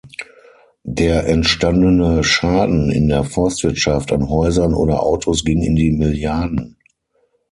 Der entstandene Schaden in der Forstwirtschaft, an Häusern oder Autos ging in die Milliarden.